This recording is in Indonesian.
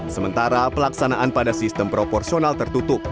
sementara pelaksanaan pada sistem proporsional tertutup